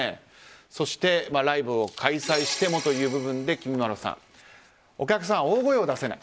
そして、ライブを開催してもという部分できみまろさんお客さんが大声を出せない。